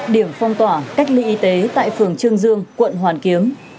điểm phong tỏa cách ly y tế tại phường trương dương quận hoàn kiếm